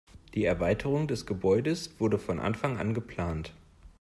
Die Erweiterung des Gebäudes wurde von Anfang an geplant.